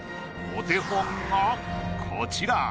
お手本がこちら。